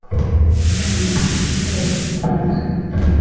zá nkoni na byá bizínzo